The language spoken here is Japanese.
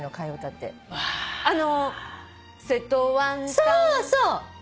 そうそう！